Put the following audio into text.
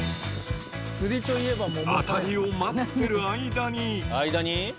あたりを待っている間に。